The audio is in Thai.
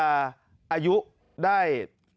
อายุได้